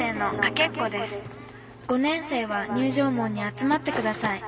５年生は入場門に集まってください」。